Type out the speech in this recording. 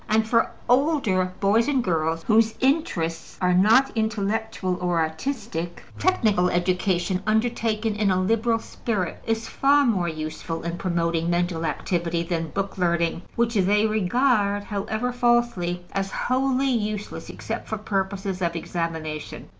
And for older boys and girls whose interests are not intellectual or artistic, technical education, undertaken in a liberal spirit, is far more useful in promoting mental activity than book learning which they regard (however falsely) as wholly useless except for purposes of examination.